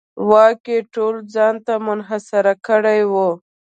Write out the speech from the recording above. واک یې ټول ځان ته منحصر کړی و.